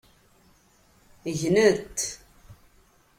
Gnent.